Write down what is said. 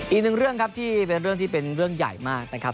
อีกหนึ่งเรื่องครับที่เป็นเรื่องที่เป็นเรื่องใหญ่มากนะครับ